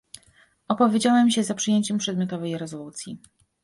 Opowiedziałem się za przyjęciem przedmiotowej rezolucji